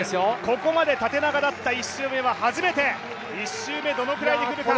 ここまで縦長だった１週目は初めて２週目どれぐらいで来るか